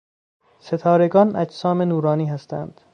ستارگان اجسام نورانی هستند.